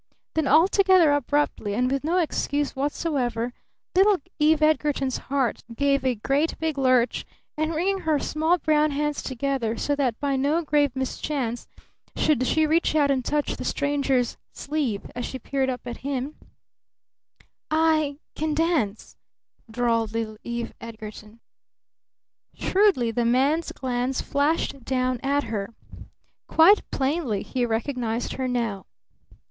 Then altogether abruptly, and with no excuse whatsoever, little Eve Edgarton's heart gave a great, big lurch, and, wringing her small brown hands together so that by no grave mischance should she reach out and touch the stranger's sleeve as she peered up at him, "I can dance," drawled little Eve Edgarton. Shrewdly the man's glance flashed down at her. Quite plainly he recognized her now.